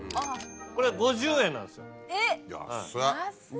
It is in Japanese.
これ５０円なんですよ。えっ！